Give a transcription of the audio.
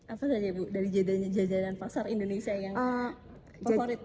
apa tadi ibu dari jajanan pasar indonesia yang favorit